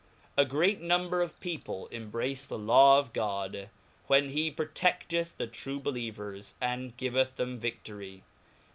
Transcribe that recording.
A Teat J. number of people embrace the Law of God.whenhepro tedcth the True bdievers , and giveth them viSory.